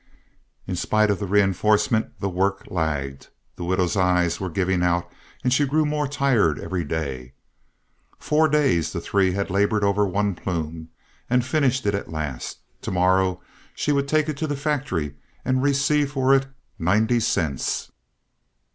In spite of the reënforcement, the work lagged. The widow's eyes were giving out and she grew more tired every day. Four days the three had labored over one plume, and finished it at last. To morrow she would take it to the factory and receive for it ninety cents.